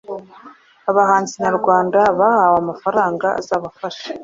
Abahanzi nyarwanda bahawe amafaranga azabafaha